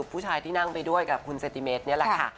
ผู้ชายที่นั่งไปด้วยกับคุณเซติเมตรนี่แหละค่ะ